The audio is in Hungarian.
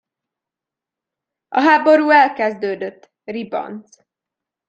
A háború elkezdődött, ribanc.